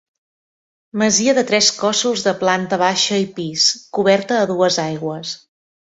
Masia de tres cossos de planta baixa i pis, coberta a dues aigües.